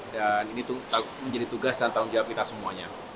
dan ini menjadi tugas dan tanggung jawab kita semuanya